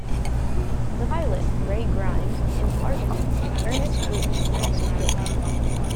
The pilot, Ray Grimes, and artist Ernest Roose were also killed.